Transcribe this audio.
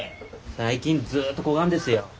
最近ずっとこがんですよ。